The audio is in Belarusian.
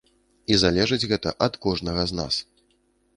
І залежыць гэта ад кожнага з нас.